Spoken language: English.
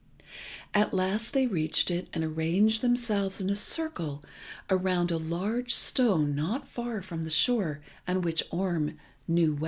At last they reached it and arranged themselves in a circle around a large stone not far from the shore, and which Orm well knew.